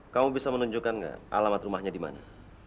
kamu bisa menunjukkan gak alamat rumahnya dimana